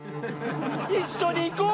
一緒に行こう！